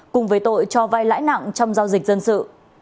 cùng với tội cho vai lãi nặng trong giao dịch dân sự